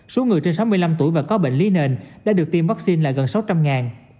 số người trên sáu mươi năm tuổi và có bệnh lý nền đã được tiêm vaccine là gần sáu trăm linh